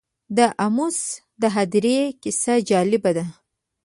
د امواس د هدیرې کیسه جالبه ده.